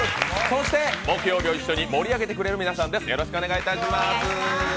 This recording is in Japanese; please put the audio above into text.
そして木曜日を一緒に盛り上げてくれる皆さんです。